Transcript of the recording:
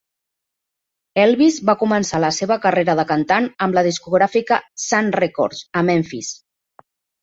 Elvis va començar la seva carrera de cantant amb la discogràfica Sun Records a Memphis.